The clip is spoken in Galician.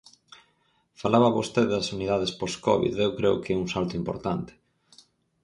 Falaba vostede das unidades postcovid, eu creo que é un salto importante.